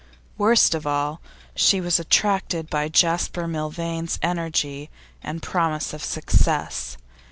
Worst of all, she was attracted by Jasper Milvain's energy and promise of success.